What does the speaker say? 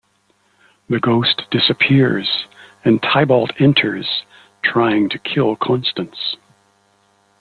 The ghost disappears, and Tybalt enters, trying to kill Constance.